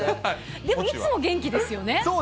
でもいつも元気ですよね。